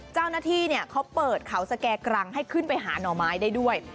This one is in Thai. เจ้าหน้าที่เขาเปิดเขาสแก่กรังให้ขึ้นไปหาหน่อไม้ได้ด้วย